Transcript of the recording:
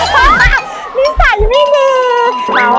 มากนิสัยพี่มือ